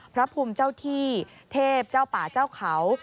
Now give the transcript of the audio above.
พระภูมิเจ้าที่เทพเจ้าป่าเจ้าเขา